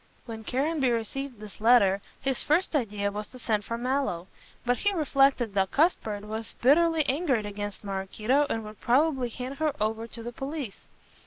When Caranby received this letter his first idea was to send for Mallow. But he reflected that Cuthbert was bitterly angered against Maraquito, and would probably hand her over to the police.